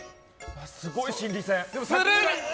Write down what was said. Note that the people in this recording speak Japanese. すごい心理戦。